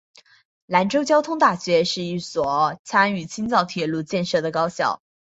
兰州交通大学是第一所参与青藏铁路建设的高校。